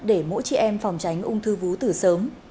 để mỗi chị em phòng tránh ung thư vú từ sớm